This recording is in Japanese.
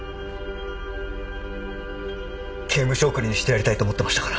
刑務所送りにしてやりたいと思ってましたから。